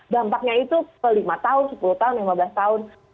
dampaknya itu lima tahun sepuluh tahun lima belas tahun